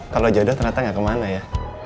kalau jodoh ternyata gak kemana ya